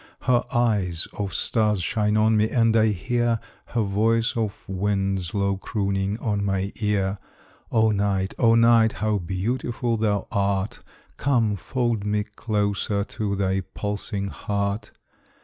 Her eyes of stars shine on me, and I hear Her voice of winds low crooning on my ear. O Night, O Night, how beautiful thou art! Come, fold me closer to thy pulsing heart.